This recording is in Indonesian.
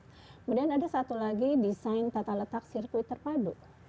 kemudian ada satu lagi desain tata letak sirkuit terpadu